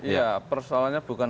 ya persoalannya bukan